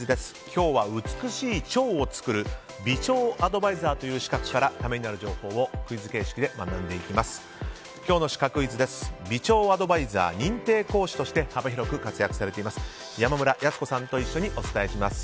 今日は美しい腸を作る美腸アドバイザーという資格からためになる情報をクイズ形式で学んでいきます。